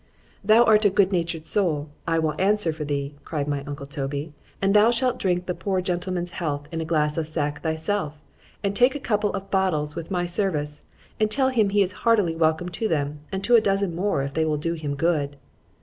Thou art a good natured soul, I will answer for thee, cried my uncle Toby; and thou shalt drink the poor gentleman's health in a glass of sack thyself,—and take a couple of bottles with my service, and tell him he is heartily welcome to them, and to a dozen more if they will do him good.